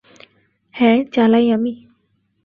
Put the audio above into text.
হ্যাঁ, চালাই আমি।